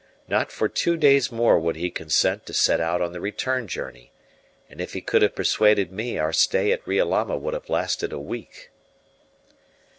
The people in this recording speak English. Not for two days more would he consent to set out on the return journey, and if he could have persuaded me our stay at Riolama would have lasted a week.